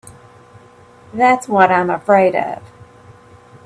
That's what I'm afraid of.